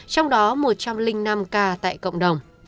trong đó một trăm linh năm ca tại cộng đồng